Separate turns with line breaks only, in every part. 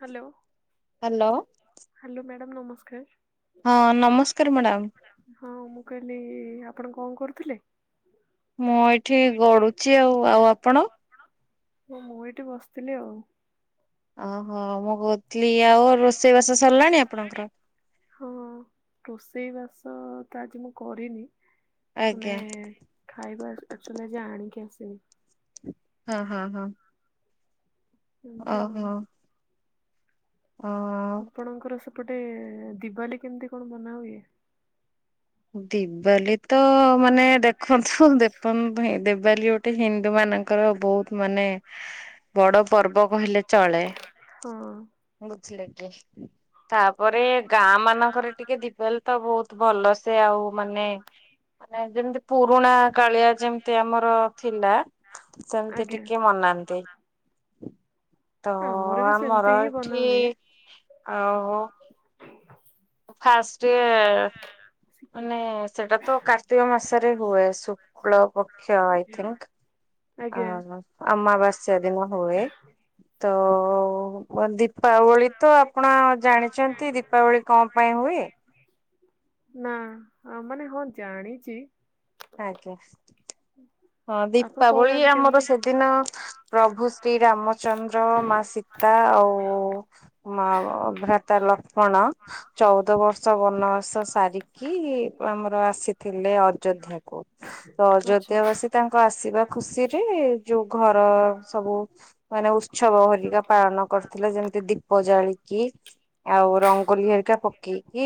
Hello
hello.
Hello madam ନମସ୍କାର। ହଁ ନମସ୍କାର ମ୍ୟାଡ଼ାମ। ହଁ ମୁଁ କଇଲି ଆପଣ କଣ କରୁଥିଲେ?
ମୁଁ ଏଇଠି ଗଡୁଚି ଆଉ। ଆଉ ଆପଣ?
ହଁ ମୁଁ ଏଇଠି ବସିଥିଲି ଆଉ।
ଅ ହ ମୁଁ ଗଦ ଥି ଆଉ ରୋଷେଇ ବାସ ସରଲାଣି ଆପଣଙ୍କର?
ହଁ ରୋଷେଇ ବାସ ତ ତା ଆଜି ମୁଁ କରିନି ମାନେ
ଆଜ୍ଞା
ଖାଇବା ଆକ୍ଚୁଆଲି ଆଜି ଆଣିକି ଆସ ତେ
ହଁ ହଁ ହଁ।
ଏମତିଆଉ।
ହଁ ଆଉ।
ଏପଟେ ଦିୱାଲୀ କେମତି କଣ ମନା ହୁଏ?
ଦିିବାଲି ତ ମାନେ ଦେଖନ୍ତୁ ଦେପନ ପାଇଁ ହିଁଦିୱାଲୀ ଗୋଟେ ହି ନ୍ଦୁମାନଙ୍କର ବହୁତ ମାନେ ବଡ ପର୍ବ କହିଲେ ଚଳେ।
ହଁ
ଅଁ ସିଲେକ୍ଟ ତାପରେ ଗାଁ ମାନଙ୍କରେ ଟିକେ ଦୀଵାଲି ତ ବହୁତ ଭଲ ସେ ସେ ଆଉ ମାନେ ମାନେ ଯେମତି ପୁରୁଣା କାଳିଆ ଯେମତି ଆମର ଥିଲା ସେମତି
ଆଜ୍ଞା
ଟିକେ ମନାନ୍ତି। ତଅ
ବି ସେମିତି
ଆମର
ହିଁ ବନା
ଏଠି
ହୁଏ।
ଆଉ ଫାଷ୍ଟେ ମାନେ ସେଟାତ କାର୍ତ୍ତିକ ମାସରେ ହୁଏ। ସ ତୁକ୍ଳପ କ୍ଷ ଆଇ ଥିଙ୍କ
ଆଜ୍ଞା
ଆମା ଆମାବାସ୍ୟା ଦିନ ହୁଏ। ତଅ ୱାଦିପ ଦୀପାବଳି ତ ଆପଣ ଜାଣିଛନ୍ତି ଦୀପାବଳି କଣ ପାଇଁ ହୁଏ।
ନା ମାନେ ହଁ ଆଣିଛି।
ଆଜ୍ଞା। ହଁ
ଆପଣ
ଦୀପାବଳି
କହୁନାହାନ୍ତି
ଆମର
କେମିତି?
ସେଦିନ ପ୍ରଭୁ ଶ୍ରୀ ରାମଚନ୍ଦ୍ର ମା ସୀତା ଆଉ ମା ଭ୍ରାତା ଲକ୍ଷ୍ମଣ। ଚଉଦ ବର୍ଷ ବନବାସ ସାରିକି ଆମର ଆସିଥିଲେ ଅଯୋଧ୍ୟାକୁ। ତ
ଆଚ୍ଛା
ଅଯୋଧ୍ୟାବାସୀ ତାଙ୍କ ଆସିବା ଖୁସିରେ ଯୋଉ ଘର ସବୁ ମାନେ ଉତ୍ସବ ଘରିକା ପାଳନ କ ଥିଲେ ଯେମିତି ଦୀପ ଜାଳିକି। ଆଉ ରଙ୍ଗୋଲି ହେରିକା ପକେଇକି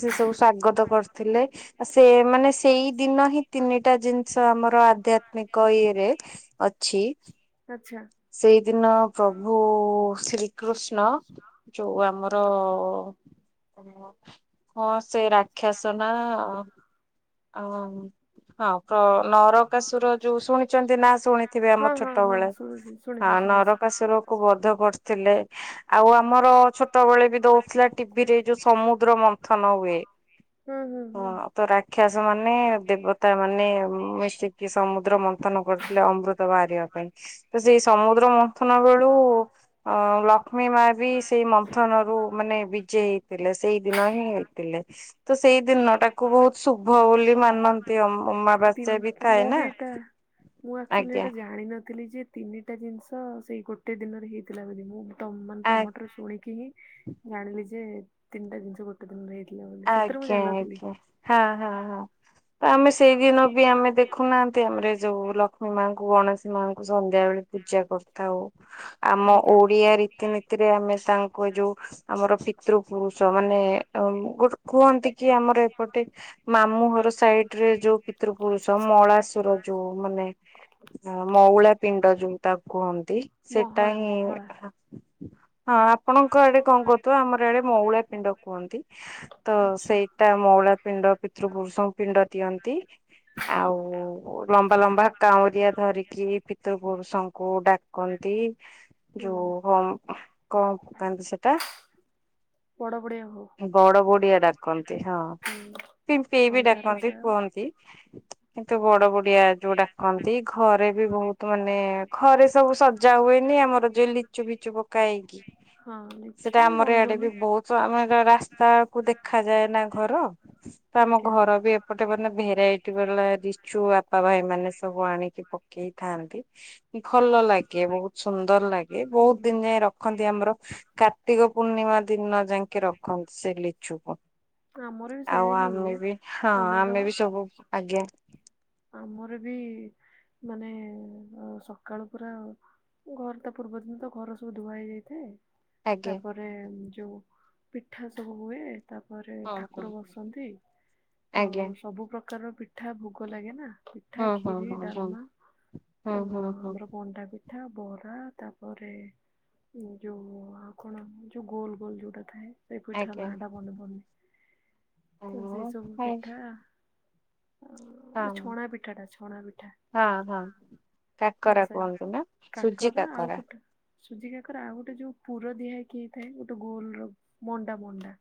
ସେ ସବୁ ସ୍ଵାଗତ କରିଥିଲେ ଆ ସେ ମାନେ ସେଇ ଦିନ ହିଁ ତିନିଟା ଜିନିଷ ଆମ ର ଆଧ୍ୟାତ୍ମିକ ଇଏରେ ଅଛି
ଆଚ୍ଛା।
ସେଇଦିନ ପ୍ରଭୁ ଶ୍ରୀକୃଷ୍ଣ ଯୋଉ ଆମର ହଁ ସେ ରାକ୍ଷାସ ନାଁ ଆଁ ଉ ହଁ ତ ନରକାସୁର ଯୋଉ ଶୁଣିଛନ୍ତି ନା ଶୁଣିଥିବେ
ହଁ
ଆମ
ହଁ ହଁ
ଛୋଟବେଳେ
ଶୁଣୁଛି
ହଁ
ଶୁଣିଛି ଶୁଣିଛି
ନରକାସୁର କୁ ବଧ କରିଥିଲେ ଆଉ ଆ ଆମର ଛୋଟବେଳେ ବି ଦଉଥିଲା ଟିଭି ରେ ଯୋଉ ସମୁଦ୍ର ମନ୍ଥନ ହୁଏ।
ହୁଁ ହୁଁ ହୁଁ।
ହଁ ତ ରାକ୍ଷାସ ମାନେ ଦେବତା ମାନେ ମିଶିକି ସମୁଦ୍ର ମନ୍ଥନ କରିଥିଲେ ଅମୃତ ବାହାରିବା ପାଇଁ ସେଇ ସମୁଦ୍ର ମନ୍ଥନ ବେଳୁ ଅ ଲକ୍ଷ୍ମୀ ମା ବି ସେଇ ମନ୍ଥନ ରୁ ମାନେ ବିଜେ ହେଇଥିଲେ ସେଇ ଦିନ ହିଁ ହେଇଥିଲେ ତ ସେଇ ଦିନ ଟାକୁ ବହୁତ ଶୁଭ ବୋଲି ମାନନ୍ତି ଅମ ଅମାବାସ୍ୟା ବି ଥାଏ ନା।
ଆଃ ମୁଁ ଆକ୍ଚୁଆଲି
ଆଜ୍ଞା
ଏଇଟା ଜାଣିିନଥିଲି ଯେ ତିନିଟା ଜିନିଷ ସେଇ ଗୋଟେ ଦିନରେ ହେଇଥିଲା ବୋଲି ମୁଁ ତମ
ଆ
ତମଠାରୁ ଶୁଣିକି ହିଁ ଜାଣିଲି ଯେ ତିନଟା ଜିନିଷ ଗୋଟେ ଦିନରେ ହେଇ
ଆଜ୍ଞା ଆଜ୍ଞା ହଁ ହଁ ହଁ ତ ଆମେ ସେଇଦିନ ବି ଆମେ ଦେଖୁନାହାନ୍ତି ଆମରେ ଯୋଉ ଲକ ମାଙ୍କୁ ଗଣେଶୀ ମାଙ୍କୁ ସନ୍ଧ୍ୟା ବେଳେ ପୂଜା କରିଥାଉ। ଆମ
ଦେଖିଆ।
ଓଡିଆ ରୀତିନୀତିରେ ଆମେ ସାଙ୍ଗ କୁ ଯୋଉ ଆମର ପିତୃପୁରୁଷ ମାନେ ଅଁ ଗୁଟ କୁହନ୍ତି କି ଆମର ଏପଟେ ମାମୁଁଘର ସାଇଟ ରେ ଯୋଉ ପିତୃପୁରୁଷ ମଳାସୁର ଯୋଉ ମାନେ ମଉଳା ପି ଡ ଯୋଉ ତାକୁ କୁହନ୍ତି ସେଟା
ମହଳା
ହିଁ
ମହଳା
ହଁ ଆପଣଙ୍କ ଆଡେ କଣ କହୁଥିବ ଆମର ଆଡେ ମଉଳା ପିଣ୍ଡ କୁହନ୍ତି। ତ
ଆଚ୍ଛା
ସେଇଟା ମଉଳା ପିଣ୍ଡ ପିତୃପୁରୁଷଙ୍କୁ ପିଣ୍ଡ ଦିଅନ୍ତି। ଆଉ ଲମ୍ବା ଲମ୍ବା କାଉଁରିଆ ଧରିକି ପିତୃପୁରୁଷଙ୍କୁ ଡା କଣତି
ହୁଁ
ଯୋଉ ହଁ କଣ ପକାନ୍ତି ସେଟା
ପଡପଡିଆ ହୋ
ବଡ ବଡିଆ ଡାକନ୍ତି ହଁ ପିଂପେଇ ବି
ଅନ୍ଧାର
ଡାକନ୍ତି
ଯାଅ
କୁଅନ୍ତି କିନ୍ତୁ ବଡ ବ ଡିଆ ଯୋଉ ଡାକନ୍ତି ଘରେ ବି ବହୁତ ମାନେ ଘରେ ସବୁ ସଜା ହୁଏନି ଆମର ଯେ ଲି ଚୁ ବିଚୁ ପକା ହେଇକି
ହଁ
ସେଟା
ଲିଚୁ
ଆମର ଇଆଡେ ବି
ରଙ୍ଗୋଲି
ବହୁତ ମାନେ ରାସ୍ତାକୁ ଦେଖା ଯାଏ ନା ଘର ତ ଆମ
ଆଜ୍ଞା।
ଘର ବି ଏପଟେ ମାନେ ଭେରାଇଟ ବାଲା ଚୁ ବାପା ଭାଇ ମାନେ ସବୁ ଆଣିକି ପକେଇ ଥାନ୍ତି ଭଲ ଲା ଗେ ବହୁତ ସୁନ୍ଦର ଲାଗେ ବହୁତ ଦିନ
ହୁଁ
ଯାଏ ରଖନ୍ତି ଆମର କାର୍ତ୍ତିକ ପୂର୍ଣ୍ଣିମା ଦିନ ଯାଇକି ରଖନ୍ତି ସେ ଲିଚୁକୁ
ଆମର ବି ସେଇୟା
ଆଉ
ହିଁ
ଆମେ
ହୁଏ
ବି ହଁ
ଆମର
ଆମେ ବି ସବୁ ଆଜ୍ଞା
ଆମର ବି ମାନେ ସକାଳୁ ପୁରା ଘର ତା ପୂର୍ବଦିନ ତ ଘର ସବୁ ଧୁଆ ହେଇ ଯାଇଥାଏ।
ଆଜ୍ଞା
ତାପରେ ଯୋଉ ପିଠା ସବୁ ହୁଏ ତାପରେ
ହଁ ହଁ।
ଠାକୁର ବସନ୍ତି
ଆଜ୍ଞା
ଆଉ ସବୁ ପ୍ରକାରର ପିଠା ଭୋଗ ଲାଗେ ନା ପିଠା
ହଁ ହଁ
ଖିରି
ହଁ ହଁ
ଡାମା
ହଁ
ଅ
ହଁ ହଁ
ଆମର ମଣ୍ଡା ପିଠା। ପିଠା ବରା ତାପରେ ଯୋଉ ଆ କଣ ଯୋଉ ଗୋଲ ଗୋଲ ଯୋଉଟା ଥାଏ ସେ ପୀଠ
ଆଜ୍ଞା।
ନାଁ ଟା ମନେ ପଡୁନି। ତ ସେଇ
ହଁ
ସବୁ
ହଁ
ପିଠା ଆଉ
ହଁ
ଛଣା ପିଠା ଟା ଛଣା ପିଠା।
ହଁ କାକରା
ସେ
କୁହନ୍ତୁ ନା ସୁଜି
ଆଉ
କାକରା
ପିଠା ସୁଜି କାକର ଆଉ ଗୋଟେ ଯୋଉ ପୁର ଦିହାକି ହେଇଥାଏ ଗୋଟେ ଗୋଲର ମଣ୍ଡା ମଣ୍ଡା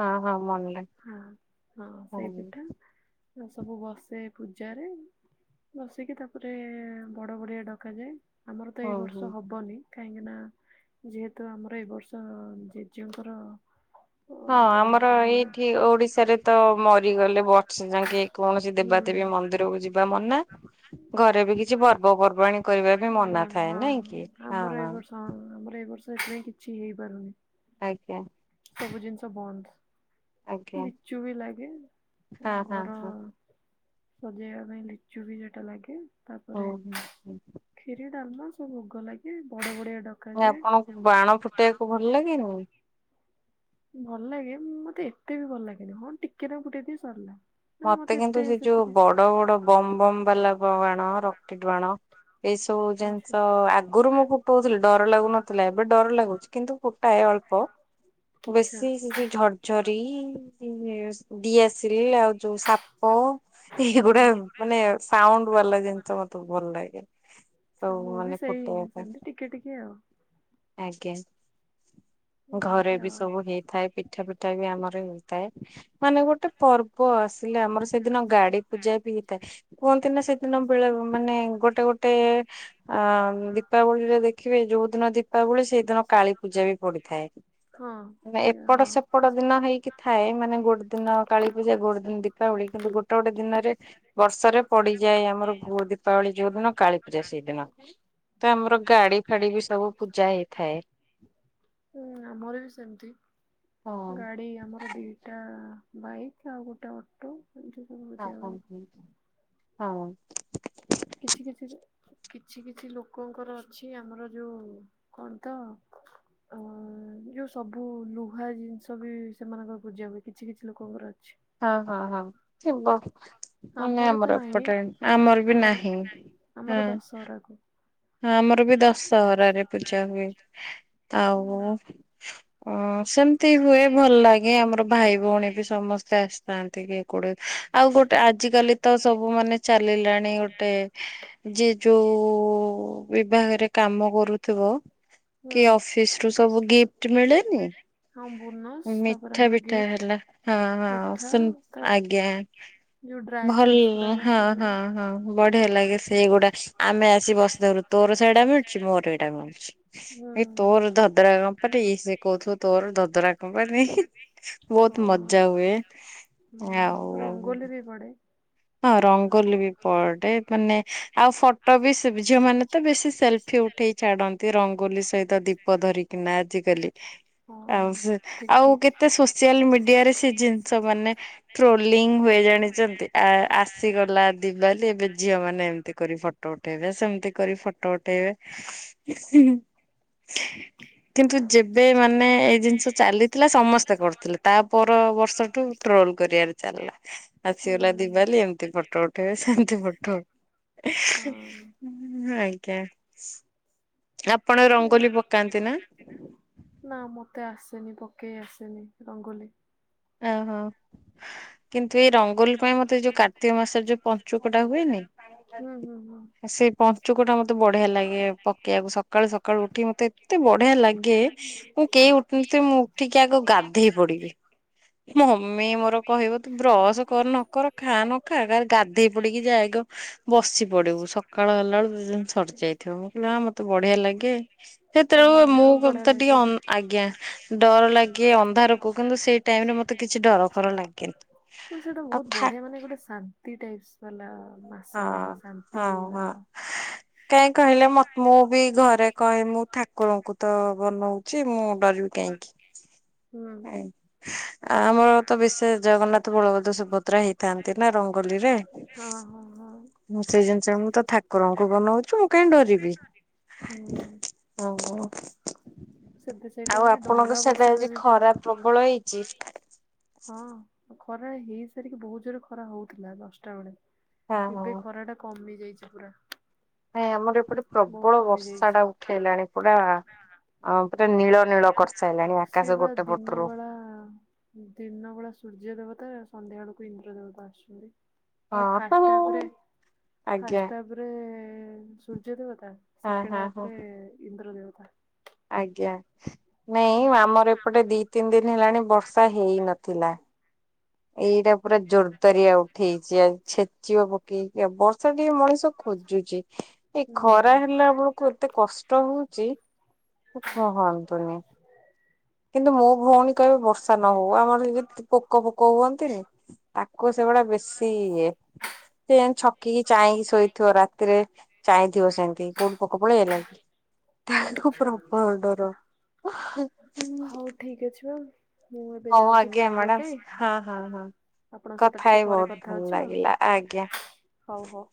ହଁ ହଁ ମଣ୍ଡା
ହଁ ଏ ସବୁ ବସ୍ ସେ ପୂଜାରେ ବସିକି ତାପରେ ବଡ଼ ବଡ଼ିଆ ଡକାଯାଏ। ଆମର ତ ଏଇ
ହଁ ହଁ।
ବର୍ଷ ହବନି। କାହିଁକିନା ଯେହେତୁ ଆମର ଏ ବର୍ଷ ଜେଜେଙ୍କର-
ହଁ ଆମର
ମାନେ
ଏଇଠି ଓଡିଶାରେ ତ ମରିଗଲେ ବର୍ଷା ଯାକେ କୌଣସି-
ହୁଁ।
ଦେବାଦେବୀ ମନ୍ଦିରକୁ ଯିବା ମନା। ଘରେ ବି କିଛି ପର୍ବ ପର୍ବାଣୀ କରିବା ବି
ହଁ
ମନା ଥାଏ
ହଁ
ନାଇଁ କି
ଆମର ଏ
ହଁ।
ବର୍ଷ ହଁ [unintelligible]
ଆଜ୍ଞା।
ସବୁ ଜିନିଷ ବନ୍ଦ
ଆଜ୍ଞା
ଲିଚୁ ବି ଲାଗେ
ହଁ ହଁ
ଘର- ସଜେଇବା ପାଇଁ ଲିଚୁ ବି ସେଟା ଲାଗେ।
ହଁ
ତାପରେ
ହୁଁ ହୁଁ
କ୍ଷୀରି ଡାଲମା- ଭୋଗ ଲାଗେ। ବଡ ବଡଆ-
ଆପଣଙ୍କୁ ବାଣ ଫୁଟେଇବାକୁ ଭଲ ଲାଗେନି?
ଭଲ ଲାଗେ ମୋତେ ଏତେ ବି ଭଲ ଲାଗେନି ହଁ ଟିକେ ନା ଗୋଟେ ଦି ସରିଲା। ମାନେ ମତେ
ମୋତେ
ଏତେ
କିନ୍ତୁ ସେ ଯୋଉ
ସେଥିରେ
ବଡ ବଡ ବମ୍ ବମ୍ ବାଲା ବାଣ ରକେଟ ବାଣ- ଏଇ ସବୁ ଜିନିଷ ଆଗରୁ ମୁଁ ଫୁଟୋଉଥିଲି ଡର ଲାଗୁନଥିଲା ଏବେ ଡର ଲାଗୁଚି କିନ୍ତୁ ଫୁଟାଏ ଅଳ୍ପ
ଇଚ୍ଛା
ବେଶୀ ସେ ଯୋଉ ଝରର୍ଝରି [unintelligible] ଦିଆସିଲି ଆଉ ସାପ
ହଁ।
ଏଗୁଡା ମାନେ ସାଉଣ୍ଡ
ଆଚ୍ଛା
ବାଲା ଜିନିଷ ମତେ ଭଲ ଲା ଗେ ସବୁ
ମୁଁ ବି
ମାନେ
ସେଇ
ଫୁଟେଇବା ପାଇଁ
ସେମିତି ଟିକେ ଟିକେ ଆଉ।
ଆଜ୍ଞା ଘରେ
ଏମିତି
ବି
ଆଉ।
ସବୁ ହେଇଥାଏ। ପିଠା ପିଠା ବି ଆମର ହେଇଥାଏ ମାନେ ଗୋଟେ ପର୍ବ ଆ ଆମର ସେଦିନ ଗାଡି ପୂଜା ବି ହେଇଥାଏ କୁହନ୍ତି ନା ସେଦିନ ବେଳେ ମାନେ ଗୋଟେ ଗୋଟେ ଆ ଦୀପାବଳିରେ ଦେଖିବି ଯୋଉ ଦିନ ଦୀପାବଳି ସେଇଦିନ କାଳୀପୂଜା ବି ପଡିଥାଏ।
ହଁ
ମାନ
ସେଇ
ଏପଟ
ହଁ
ସେପଟ ଦିନ ହେଇକି ଥାଏ ମାନେ ଗୋଟେ ଦିନ କାଳୀପୂଜା ଗୋଟେ ଦିନ ଦୀପାବଳି କିନ୍ତୁ ଗୋଟେ ଗୋଟେ ଦିନରେ ବର୍ଷରେ ପଡିଯାଏ ଆମର ଭୁ ଦୀପାବଳି ଯୋଉ ଦିନ କାଳୀ ପୂଜା ସେଇଦିନ। ତ ଆମର ଗାଡି ଫାଡି ବି ସବୁ ପୂଜା ହେଇଥାଏ
ହୁଁ ଆମର ବି ସେମିତି
ହଁ
ଗାଡି ଆମର ଦିଇଟା ବାଇକ୍ ଆଉ ଗୋଟେ ଅଟୋ ଏଠିକି
ହଁ
ପୂଜା ହୁଏ।
ହଁ। ହଁ।
କିଛି କିଛି କିଛି କିଛି ଲୋକଙ୍କର ଅଛି ଆମର ଯୋଉ କଣ ତ ଅ ଯୋଉ ସବୁ ଲୁହା ଜିନିଷ ବି ସେମାନଙ୍କର ପୂଜା ହୁଏ। କିଛି କିଛି ଲୋକଙ୍କର ଅଛି।
ହଁ ହଁ ହଁ ଥିବ। ହାଁ ନାଇଁ
ତ
ଆମର
ନାହିଁ
ଏପଟେ ଆମର ବି ନାହିଁ
ଆମର
ହଁ।
ଦଶହରାକୁ
ହଁ ଆମର ବି ଦଶହରାରେ ପୂଜା ହୁଏ ଆଉ
ହୁଁ
ଅଂ ସେମିତି ହୁଏ। ଭଲ ଲାଗେ ଆମର ଭାଇଭଉଣୀ ବି ସମସ୍ତେ ଆସିଥାନ୍ତି କି କୋଡେ ଆଉ ଗୋଟେ ଆଜିକାଲି ତ ସବୁ ମାନେ ଚାଲିଲାଣି ଗୋଟେ ଯେ ଯୋଉ ବିଭାଗରେ କାମ କରୁଥିବ।
ହୁଁ,
କି ଅଫିସରୁ ସବୁ ଗିଫ୍ଟ ମିଳେନି?
ହଁ ବୋନସ୍ ତାପରେ ଆମର
ମିଠାପିଠା
ଗିଫ୍ଟ
ହେଲା ହଁ,
ମିଠା
ହଁ,
ତା
ଆଜ୍ଞା।
ଯୋଉ ଡ୍ରାଏ
ଭଲ
ଫ୍ରୁଟସ୍ ଗୁଡାକ
ହଁ
ସେ ସବୁ
ହଁ ହଁ ବଢିଆ ଲାଗେ ସେଇଗୁଡା। ଆମେ ଆସି ବସଧରୁ। ତୋର ସେଇଟା ମିଳୁଛି, ମୋର ଏଇଟା ମିଳୁଛି। ତୋର
ହୁଁ।
ଧଦରା କମ୍ପାନୀ ସେ କହୁଥିବ ତୋର ଧଦରା କମ୍ପାନୀ,
ହଁ
ବହୁତ ମଜା ହୁଏ
ହୁଁ
ଆଉ
ରଙ୍ଗୋଲି ବି ପଡେ।
ହଁ ରଙ୍ଗଲି ବି ପଡେ ମାନେ ଆଉ ଫଟୋ ବି ଝିଅମାନେ ତ ବେଶୀ ସେଲଫି ଉଠ ଉଠେଇ ଛାଡନ୍ତି ରଙ୍ଗୋଲି ସହିତ ଦୀପ ଧରିକିନା ଆଜିକାଲି
ହଁ
ଆଉ
ଠିକ
ଆଉ
ଠିକ।
କେତେ ସୋସିଆଲ ମିଡିଆରେ ସେ ଜିନିଷ ମାନେ ଟ୍ରୋଲିଂ ହୁଏ ଜାଣିଛନ୍ତି? ଆ ଆସିଗ ଲା ଦିିବାଲି ଏବେ ଝିଅମାନେ ଏମିତି କରି ଫଟୋ ଉଠେଇବେ ସେମତି କରି ଫଟୋ ଉଠେଇବେ। ହୁଁ। କିନ୍ତୁ ଯେବେ ମାନେ ଏଇ ଜିନିଷ ଚାଲିଥିଲା ସମସ୍ତେ କରିୁଥିଲେ ତାପର ବର୍ଷ ଟ୍ରୋଲ କରିବାରେ
କରିବା।
ଚାଲିଲା ଆସିଗଲା
ହୁଁ
ଦିିବାଲି ପଟ ଉଠେଇ ସେନ୍ତି ପଟ
ହଁ
ଆଜ୍ଞା। ଆପଣ ରଙ୍ଗୋଲି ପକାନ୍ତି ନା?
ନା ମତେ ଆସେ ସେନୀ ପକେଇ ଆସନି ରଙ୍ଗୋଲି।
ଓହୋ। କିନ୍ତୁ ଏଇ ରଙ୍ଗୋଲି ପାଇଁ ମତେ ଯୋଉ କାର୍ତ୍ତିକ ମାସରେ ଯୋଉ ପଞ୍ଚୁକଟା ହୁଏନି
ହୁଁ ହୁଁ ହୁଁ।
ସେ ପଞ୍ଚୁକ ଟା ମତେ ବଢିଆ ଲାଗେ ପକେଇବାକୁ ସକାଳୁ ସକାଳୁ ଉଠି ମତେ ଏତେ ବଢିଆ ଲାଗେ ମୁଁ କେହି ଉଠୁ ନଥିବେ ମୁଁ ଉଠିକି ଆଗ ଗାଧେଇ ପଡିବି। ମମି ମୋର କହିବ ତୁ ବ୍ରସ କର ନ କର ଖା ନ ଖା କା ଗାଧେଇ ପଡିକି ଯାଇକ ବସି ପଡିବୁ ସକାଳ ହେଲା ସରିଯାଇଥିବ ମୁଁ କହିଲି ମତେ ବଢିଆ ଲାଗେ
ହଁ
ସେତେବେଳକୁ ମୁଁ
ବହୁତ ବଢିଆ
କଥା
ଲାଗେ
ଟିକେ ଅ
ସେଇଟା।
ଆଜ୍ଞା। ଡର ଲାଗେ ଅନ୍ଧାରକୁ କିନ୍ତୁ ସେଇ ଟାଇମରେ ମତେ କିଛି ଡର ଫର ଲାଗେନି।
ସେଇଟା
ଆଉ
ବହୁତ
ଠା
ବଢିଆ ମାନେ ଗୋଟେ ଶାନ୍ତି ଟାଇପ ବାଲା ମାସ ଲାଗି ଶାନ୍ତି ବନାଉ।
କାଇହିଁ କହିଲେ ମ ମୁଁ ବି ଘରେ କହେ ମୁଁ ଠାକୁରଙ୍କୁ ତ ବନଉଛି ମୁଁ ଡରିବି
ହୁଁ।
କାହିଁକି? ଆମର ତ ବିଶେଷ ଜଗନ୍ନାଥ ବଳଭଦ୍ର ସୁଭଦ୍ରା ହେଇଥାନ୍ତି ନା ରଙ୍ଗୋଲିରେ।
ହଁ ହଁ ହଁ
ମୁଁ ସେଇ ଜିନିଷ ମୁଁ ତ ଠାକୁରଙ୍କୁ ବନଉଛି ମୁଁ କାହିଁ ଡରିବି।
ହୁଁ।
ଓହୋ
ସେବେ ସେଇ
ଆଉ
ଟାଇମରେ ଡଙ୍ଗା
ଆପଣଙ୍କ ସେଟା
ବସେଇବା
ଆଜି
ବି ପଡେ।
ଖରା ପ୍ରବଳ ହେଇଛି। [inaudible]
ହଁ ଖରା ହେଇ ସାରିକି ବହୁତ ଜୋର ଖରା ହଉଥିଲା ଦଶଟା
ହଁ
ବେଳେ
ହଁ
ଏବେ ଖରାଟା କମି ଯାଇ ପୁରା।
ନାଇଁ ଆମର ଏପଟେ
ବହୁତ
ପ୍ରବଳ
କମି ଯାଇଛି।
ବର୍ଷାଟା ଉଠେଇଲାଣି ପୁରା ଅ ନୀଳ ନୀଳ
ସେ ବା ଦିନ
ପଟରୁ
ବଳା ଦିନ ବଳା ସୂର୍ଯ୍ୟ ଦେବତା। ସନ୍ଧ୍ୟାବେଳକୁ ଇନ୍ଦ୍ର ଦେବତା ଆସିଛନ୍ତି। ମାନ ଫାଷ୍ଟ ହାପରେ
ହଁ ଆଜ୍ଞା
ଫାଷ୍ଟ ହାପରେ ସୂର୍ଯ୍ୟ ଦେବତା।
ହଁ ହଁ
ସେକେଣ୍ଡ
ହଁ।
ହାପରେ ଇନ୍ଦ୍ର ଦେବତା।
ଆଜ୍ଞା। ନାଇଁ ଆମର ଏପଟେ ଦି ତିନି ଦିନ ହେଲାଣି ବର୍ଷା ହେଇନଥିଲା। ଏଇଟା ପୁରା ଜୋରଦାରିଆ ଉଠେଇଛି ଆ ଛେ ଛେଚିବ ପକେଇକି ବର୍ଷା ଟିଏ ମଣିଷ ଖୋଜୁଛି। ଏଇ ଖରା
ହୁଁ।
ହେଲା ବେଳକୁ ଏତେ କଷ୍ଟ ହଉଚି। କୁହନ୍ତୁନି। କିନ୍ତୁ ମୋ ଭଉଣୀ କହିବେ ବର୍ଷା ନ ହଉ ଆମର [unintelligible] ପୋକ ଫୋକ ହୁଅନ୍ତି ତାକୁ ସେଗଡା ପା ବେଶୀ ଇଏ ସେଯାଏ ଛକିକି ଚାହିଁକି ଶୋଇଥିବ ରାତିରେ ଥିବ ସେମିତି କୋଉଠି ପୋକ ପଳେଇ ଆଲାଣି ତାକୁ
ଆଚ୍ଛା
ପ୍ରବଳ ଡର।
ହଉ ଠିକ୍ ଅଛି ମ୍ୟାମ।
ହଉ ଆଜ୍ଞ ମ୍ୟାଡ଼ାମ୍ ହଁ ହଁ ହଁ।
ଆପଣଙ୍କ ସହିତ
କଥା
ଟିକେ
ହେଇ
ପରେ
ବହୁତ
କଥା
ଭଲ
ହଉଛି ଆଉ
ଲାଗିଲା ଆଜ୍ଞା।
ହଉ ହଉ।